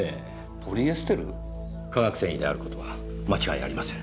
化学繊維である事は間違いありません。